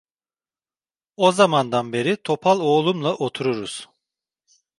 O zamandan beri topal oğlumla otururuz.